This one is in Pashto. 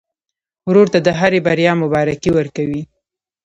ورور ته د هرې بریا مبارکي ورکوې.